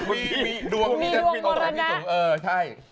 มีดวงกรณะ